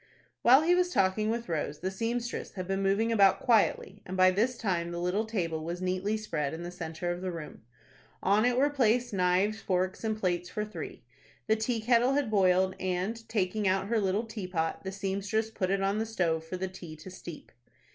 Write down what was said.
While he was talking with Rose, the seamstress had been moving about quietly, and by this time the little table was neatly spread in the centre of the room. On it were placed knives, forks, and plates for three. The teakettle had boiled, and, taking out her little teapot, the seamstress put it on the stove for the tea to steep.